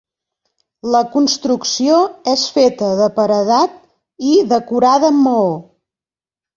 La construcció és feta de paredat i decorada amb maó.